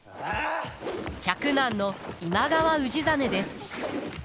嫡男の今川氏真です。